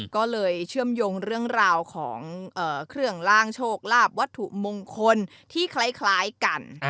ก็เลยเชื่อมโยงเรื่องราวของเครื่องล่างโชคลาภวัตถุมงคลที่คล้ายกัน